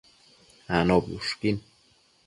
Anobi ushquin